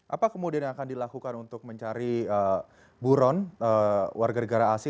apa kemudian yang akan dilakukan untuk mencari buron warga negara asing